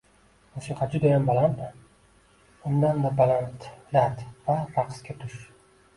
Musiqa judayam balandmi? Undanda balandlat va raqsga tush!